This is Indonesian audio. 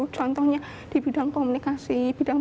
contohnya di bidang komunikasi